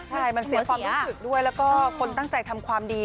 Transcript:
ใช่มันเสียความรู้สึกด้วยแล้วก็คนตั้งใจทำความดี